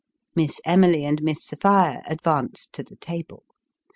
Miss Emily and Miss Sophia advanced to the table.